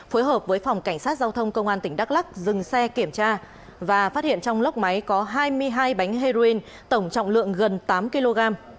phối hợp với phòng cảnh sát giao thông công an tỉnh đắk lắc dừng xe kiểm tra và phát hiện trong lốc máy có hai mươi hai bánh heroin tổng trọng lượng gần tám kg